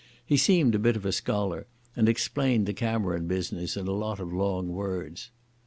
He seemed a bit of a scholar and explained the Cameron business in a lot of long words.